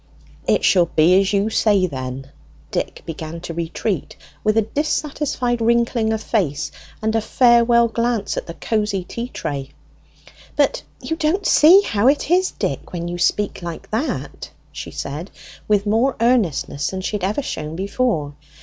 "It shall be as you say, then." Dick began to retreat with a dissatisfied wrinkling of face, and a farewell glance at the cosy tea tray. "But you don't see how it is, Dick, when you speak like that," she said, with more earnestness than she had ever shown before.